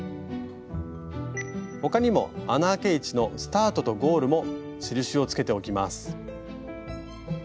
他にも穴あけ位置のスタートとゴールも印をつけておきます。